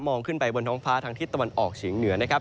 องขึ้นไปบนท้องฟ้าทางทิศตะวันออกเฉียงเหนือนะครับ